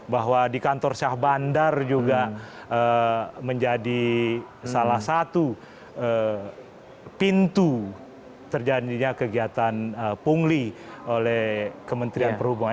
bahwa di kantor syah bandar juga menjadi salah satu pintu terjadinya kegiatan pungli oleh kementerian perhubungan